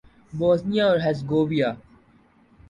Bosnia اور Herzegovina